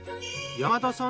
山田さん